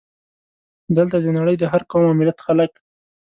دلته د نړۍ د هر قوم او ملت خلک.